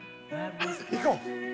行こう！